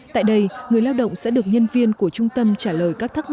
tại đây người lao động sẽ được nhân viên của trung tâm trả lời các thắc mắc